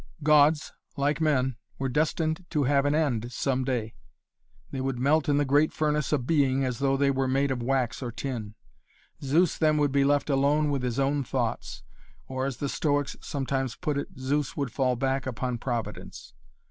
Gods, like men, were destined to have an end some day. They would melt in the great furnace of being as though they were made of wax or tin. Zeus then would be left alone with his own thoughts, or as the Stoics sometimes put it, Zeus would fall back upon Providence.